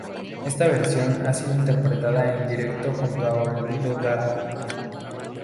Esta versión ha sido interpretada en directo junto a Olvido Gara.